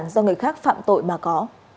do người khác phạm tội mà có